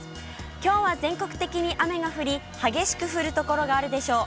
きょうは全国的に雨が降り、激しく降る所があるでしょう。